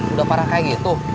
udah parah kayak gitu